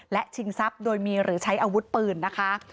และชิงทรัพย์โดยมีหรือใช้อาวุธปืนนะคะ